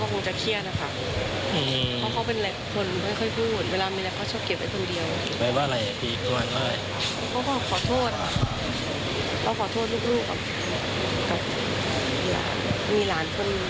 คงจะเครียดเรื่องรถน่ะ